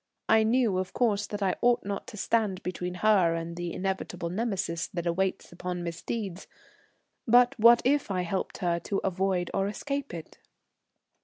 I knew, of course, that I ought not to stand between her and the inevitable Nemesis that awaits upon misdeeds, but what if I helped her to avoid or escape it?